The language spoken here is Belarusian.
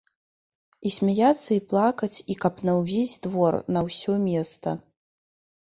І смяяцца і плакаць, і каб на ўвесь двор, на ўсё места.